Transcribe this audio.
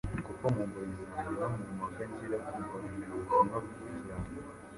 kuko mu ngoyi zanjye, no mu mpaka ngira kurwanira ubutumwa bwiza,